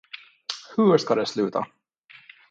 Hur ska det sluta!